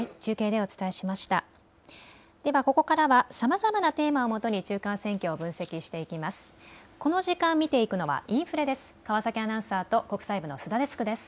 ではここからはさまざまなテーマをもとに中間選挙を分析していきます。